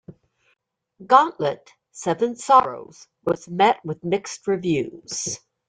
"Gauntlet: Seven Sorrows" was met with mixed reviews.